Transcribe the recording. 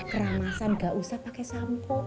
keramasan gak usah pakai sampo